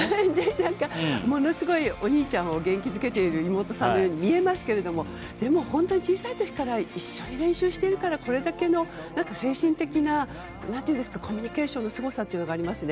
何か、ものすごくお兄ちゃんを元気づけている妹さんのように見えますけどでも、小さい時から一緒に練習してるからこれだけの精神的なコミュニケーションのすごさというのがありますね。